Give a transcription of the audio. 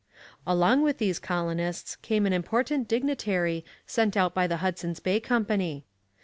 Along with these colonists came an important dignitary sent out by the Hudson's Bay Company.